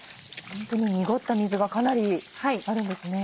ホントに濁った水がかなりあるんですね。